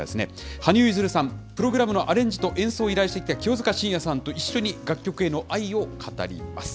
羽生結弦さん、プログラムのアレンジと演奏をしてきた清塚信也さんと一緒に楽曲への愛を語ります。